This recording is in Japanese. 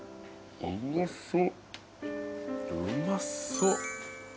うまそう。